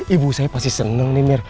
ibu saya pasti senang nih mir